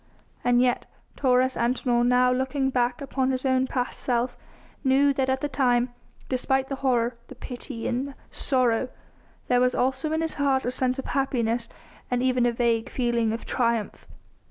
And yet Taurus Antinor, now looking back upon his own past self, knew that at the time, despite the horror, the pity and the sorrow, there was also in his heart a sense of happiness and even a vague feeling of triumph.